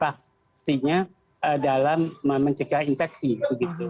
vaksinnya dalam mencegah infeksi begitu